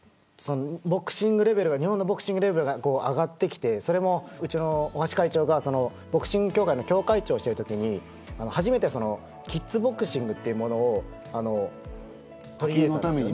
日本のボクシングレベルが上がってきてうちの大橋会長がボクシング協会の協会長をしているときに、初めてキッズボクシングというものを取り入れたんですよね。